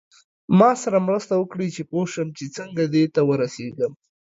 ما سره مرسته وکړئ چې پوه شم چې څنګه دې ته ورسیږم.